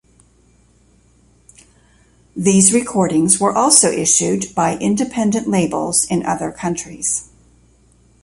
These recordings were also issued by independent labels in other countries.